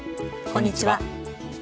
こんにちは。